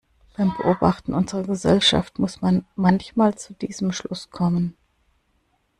Beim Beobachten unserer Gesellschaft muss man manchmal zu diesem Schluss kommen.